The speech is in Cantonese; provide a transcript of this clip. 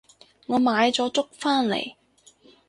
我買咗粥返嚟